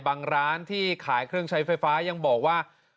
ร้านที่ขายเครื่องใช้ไฟฟ้ายังบอกว่า